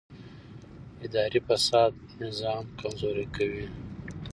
اداري فساد نظام کمزوری کوي